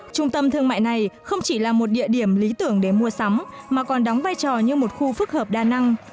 trung tâm thương mại này không chỉ là một địa điểm lý tưởng để mua sắm mà còn đóng vai trò như một khu phức hợp đa năng